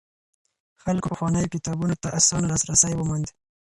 خلکو پخوانيو کتابونو ته اسانه لاسرسی وموند.